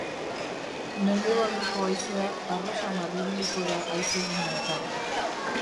Mendebaldeko haizea harro samar ibiliko da haizeguneetan.